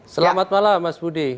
selamat malam mas budi